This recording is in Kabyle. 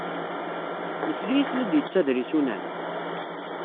Nesla-as la d-yettader isunan?